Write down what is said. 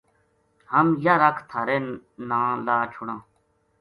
ہم یاہ رَکھ تھارے ناں لا چھُڑاں